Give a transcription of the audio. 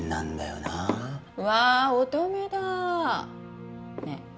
なわ乙女だねえ